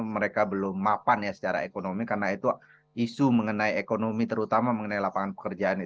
mereka belum mapan ya secara ekonomi karena itu isu mengenai ekonomi terutama mengenai lapangan pekerjaan ini